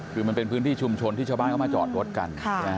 คือมันเป็นพื้นที่ชุมชนที่ชาวบ้านเขามาจอดรถกัน